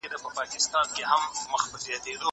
نان وخوره!؟